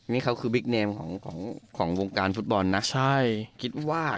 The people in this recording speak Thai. นี่เค้าคือบิ๊กเนมของวงการฟุตบอลน่ะ